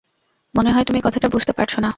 মনে হয় তুমি কথাটা বুঝতে পারছো না।